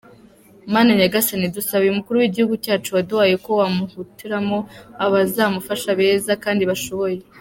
Mana Nyagasani dusabiye Umukuru w’igihugu cyacu waduhaye ko wamuhitiramo abazamufasha beza kandi bashoboye.